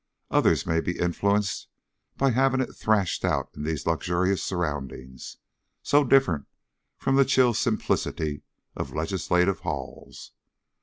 Others may be influenced by having it thrashed out in these luxurious surroundings, so different from the chill simplicity of legislative halls.